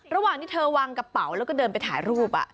ระหว่างที่เธอวางกระเป๋าแล้วก็เดินไปถ่ายรูป